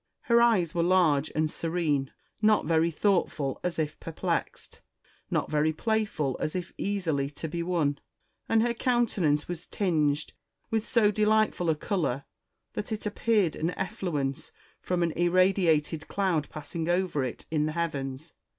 Her eyes were large and serene ; not very thoughtful as if perplexed, not very playful as if easily to be won ; and her countenance was tinged with so delightful a colour, that it appeared an effluence from an irradiated cloud passing over it in the heavens.